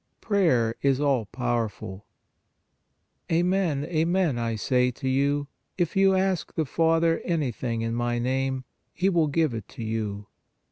PRAYER IS ALL POWERFUL " Arnen, amen I say to you, if you ask the Father anything in My name, He will give it to you.